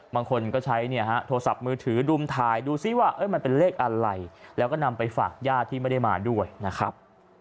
บางคนก็ใช้เนี่ยฮะโทรศัพท์มือถือดุมถ่ายดูซิว่ามันเป็นเลขอะไรแล้วก็นำไปฝากญาติที่ไม่ได้มาด้วยนะครับ